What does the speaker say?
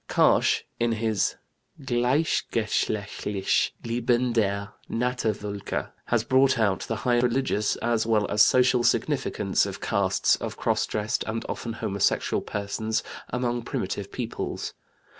Karsch in his Gleichgeschlechtliche Leben der Naturvölker (1911) has brought out the high religious as well as social significance of castes of cross dressed and often homosexual persons among primitive peoples.